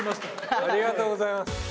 ありがとうございます。